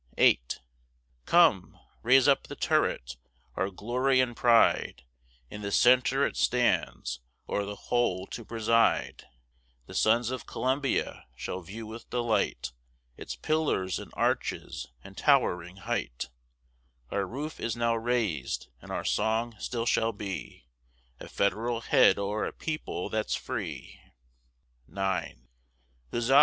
VIII Come, raise up the turret; our glory and pride; In the centre it stands, o'er the whole to preside: The sons of Columbia shall view with delight Its pillars, and arches, and towering height: Our roof is now rais'd, and our song still shall be, A federal head o'er a people that's free. IX Huzza!